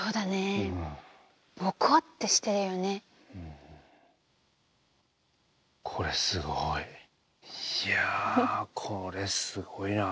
いやこれすごいな。